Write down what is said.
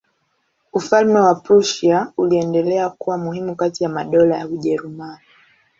Ufalme wa Prussia uliendelea kuwa muhimu kati ya madola ya Ujerumani.